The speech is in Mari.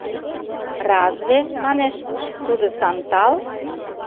Разве, — манеш, — тудо сантал?